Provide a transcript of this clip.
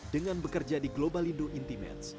dengan bekerja di global indo intimates